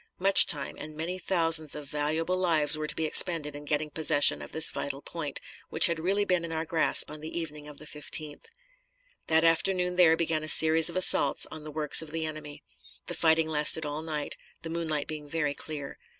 Much time and many thousands of valuable lives were to be expended in getting possession of this vital point, which had really been in our grasp on the evening of the 15th. That afternoon there began a series of assaults on the works of the enemy. The fighting lasted all night, the moonlight being very clear.